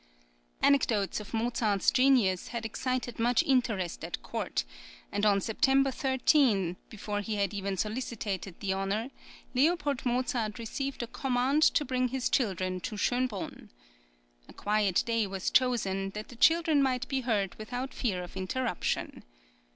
Anecdotes of Mozart's genius had excited much interest at court, and on September 13, before he had even solicited the honour, L. Mozart received a command to bring his children to Schönbrunn. A quiet day was chosen, that the children might be heard without fear of interruption.